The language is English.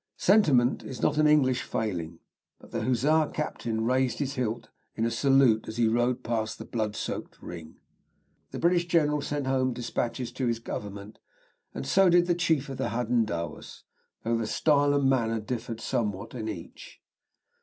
Sentiment is not an English failing, but the Hussar captain raised his hilt in a salute as he rode past the blood soaked ring. The British general sent home dispatches to his Government, and so did the chief of the Hadendowas, though the style and manner differed somewhat in each.